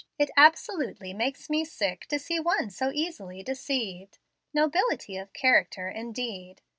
It absolutely makes me sick to see one so easily deceived. 'Nobility of character,' indeed!